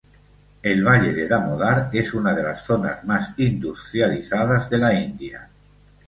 El Valle de Damodar es una de las zonas más industrializadas de la India.